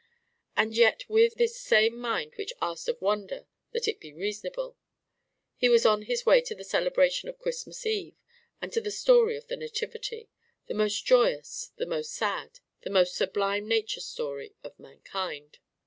And yet with this same mind which asked of wonder that it be reasonable, he was on his way to the celebration of Christmas Eve and to the story of the Nativity the most joyous, the most sad, the most sublime Nature story of mankind.